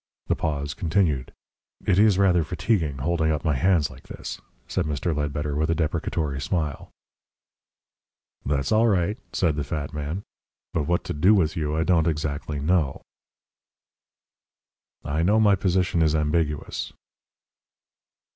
The pause continued. "It is rather fatiguing holding up my hands like this," said Mr. Ledbetter, with a deprecatory smile. "That's all right," said the fat man. "But what to do with you I don't exactly know." "I know my position is ambiguous."